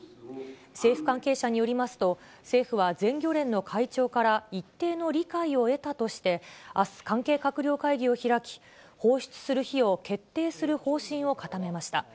政府関係者によりますと、政府は全漁連の会長から一定の理解を得たとして、あす、関係閣僚会議を開き、放出する日を決定する方針を固めました。